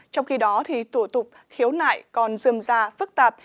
trong khi đó tổ tục khiếu nại còn dâm ra phức tạp